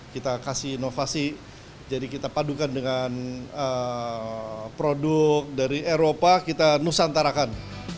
kita kasih inovasi jadi kita padukan dengan produk dari eropa kita nusantarakan